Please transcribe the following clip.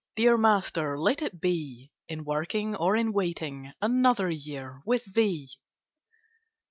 Dear Master, let it be In working or in waiting, Another year with Thee.